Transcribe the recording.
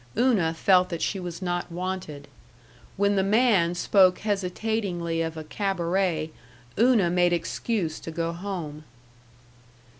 Una felt that she was not wanted. When the man spoke hesitatingly of a cabaret, Una made excuse to go home.